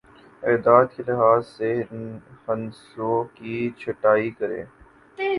اعداد کے لحاظ سے ہندسوں کی چھٹائی کریں